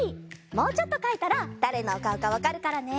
もうちょっとかいたらだれのおかおかわかるからね。